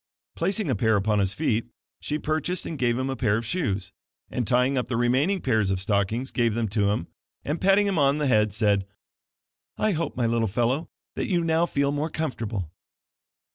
Placing a pair upon his feet, she purchased and gave him a pair of shoes, and tying up the remaining pairs of stockings, gave them to him, and patting him on the head said: "I hope my little fellow, that you now feel more comfo rtable."